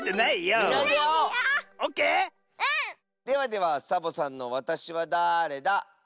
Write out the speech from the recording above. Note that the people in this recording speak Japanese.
ではではサボさんの「わたしはだれだ？」。